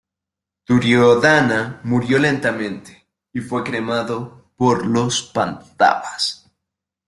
Duriodhana murió lentamente, y fue cremado por los Pándavas.